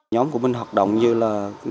nhóm của mình hoạt động như là